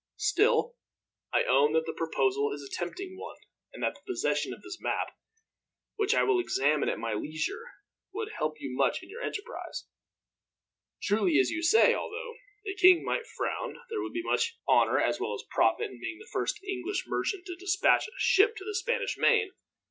Still, I own that the proposal is a tempting one, and that the possession of this map, which I will examine at my leisure, would help you much in your enterprise. Truly, as you say, although the king might frown, there would be much honor as well as profit in being the first English merchant to dispatch a ship to the Spanish main.